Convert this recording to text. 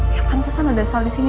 ya pantasan ada sal disini